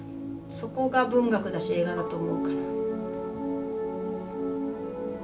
そこが文学だし映画だと思うから。